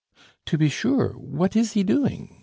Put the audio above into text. "To be sure, what is he doing?"